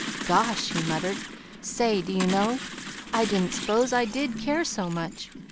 "Gosh!" he muttered. "Say, do you know, I didn't s'pose I did care so much!